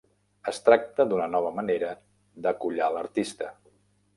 Es tracta d"una nova manera d"acollar l"artista.